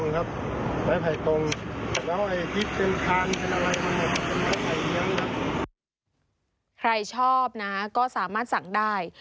ใครชอบนะก็สามารถสั่งได้